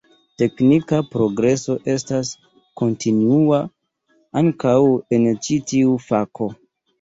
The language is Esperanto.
Teknika progreso estas kontinua ankaŭ en ĉi tiu fako.